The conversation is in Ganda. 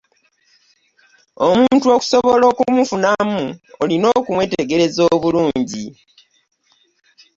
Omuntu okusobola okumufunamu olina okumwetegereza obulungi.